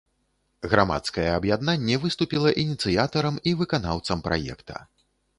Грамадскае аб'яднанне выступіла ініцыятарам і выканаўцам праекта.